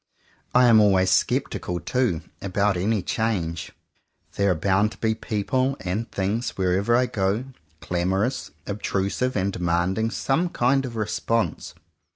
I am always sceptical too, about any change. There are bound to be people and things, wherever I go, clamorous, obtrusive, and demanding some kind of response.